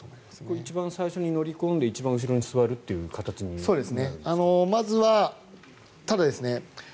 一番最初に乗り込んで一番後ろに座るという形になるんですか？